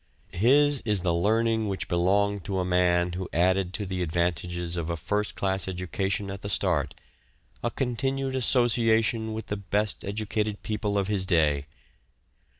His is the learning which belonged to a man who added to the advantages of a first class education at the start, a continued association with the best educated people of his day.